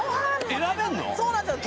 そうなんですよ